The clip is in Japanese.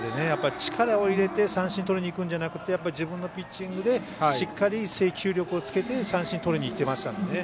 力を入れて三振とりにいくんじゃなくて自分のピッチングでしっかり制球力をつけて三振とりにいってましたので。